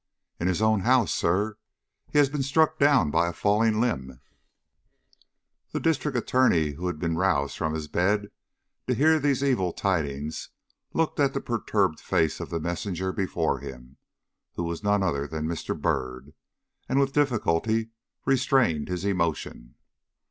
"In his own house, sir. He has been struck down by a falling limb." The District Attorney, who had been roused from his bed to hear these evil tidings, looked at the perturbed face of the messenger before him who was none other than Mr. Byrd and with difficulty restrained his emotion.